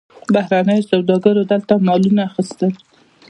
بهرنیو سوداګرو دلته مالونه اخیستل.